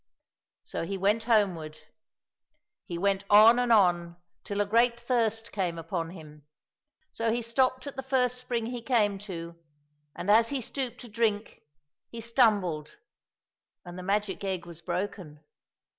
So he went homeward. He went on and on till a great thirst came upon him. So he stopped at the first spring he came to, and as he stooped to drink he stumbled and the magic egg was broken.